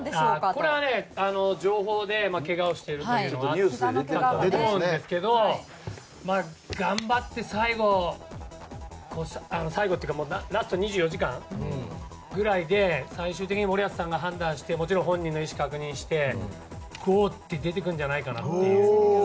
これはね、情報でけがをしているというのがあるのはそうなんですけど頑張って、最後というかラスト２４時間ぐらいで最終的に森保さんが判断してもちろん、本人の意思を確認してゴー！って出てくるんじゃないかと。